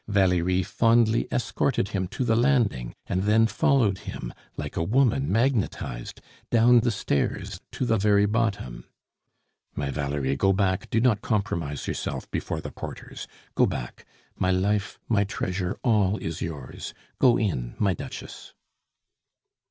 Valerie fondly escorted him to the landing, and then followed him, like a woman magnetized, down the stairs to the very bottom. "My Valerie, go back, do not compromise yourself before the porters. Go back; my life, my treasure, all is yours. Go in, my duchess!"